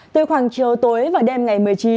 từ khoảng chiều tối và đêm ngày một mươi chín